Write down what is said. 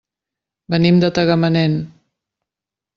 Venim de Tagamanent.